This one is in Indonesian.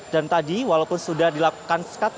dan tadi walaupun sudah dilakukan sekat